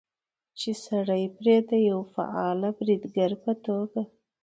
چې سړى پرې د يوه فعال بريدګر په توګه